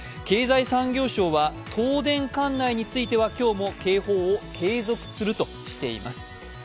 経済産業省は東電管内については今日も警報を継続するとしています。